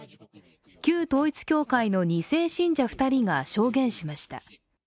旧統一教会の２世信者２人が証言しました。